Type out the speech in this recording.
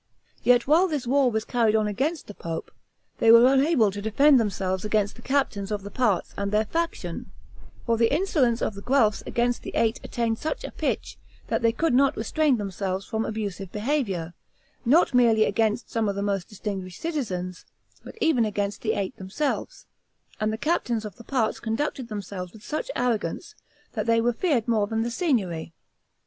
Yet while this war was carried on against the pope, they were unable to defend themselves against the captains of the parts and their faction; for the insolence of the Guelphs against the eight attained such a pitch, that they could not restrain themselves from abusive behavior, not merely against some of the most distinguished citizens, but even against the eight themselves; and the captains of the parts conducted themselves with such arrogance, that they were feared more than the Signory.